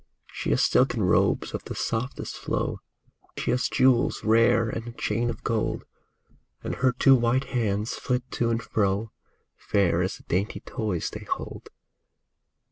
She has silken robes of the softest flow, She has jewels rare and a chain of gold, And her two white hands flit to and fro. Fair as the dainty toys they hold.